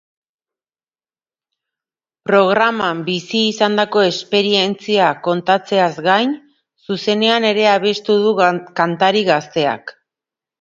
Programan bizi izandako esperientzia kontatzeaz gain, zuzenean ere abestu du kantari gazteak.